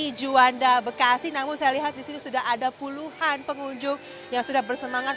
di juanda bekasi namun saya lihat di sini sudah ada puluhan pengunjung yang sudah bersemangat